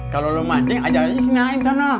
kalau lo mancing ajaknya di sana